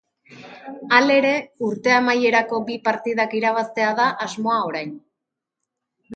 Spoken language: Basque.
Halere, urte amaierako bi partidak irabaztea da asmoa orain.